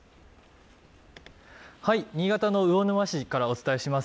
新潟の魚沼市からお伝えします。